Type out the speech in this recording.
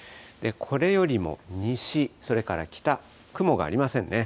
これよりも西、それから北、雲がありませんね。